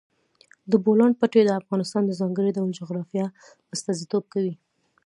د بولان پټي د افغانستان د ځانګړي ډول جغرافیه استازیتوب کوي.